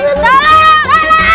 pak sri kiti